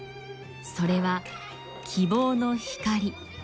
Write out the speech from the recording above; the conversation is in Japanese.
それは希望の光。